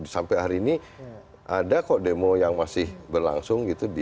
sampai hari ini ada kok demo yang masih berlangsung gitu